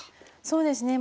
そうですね。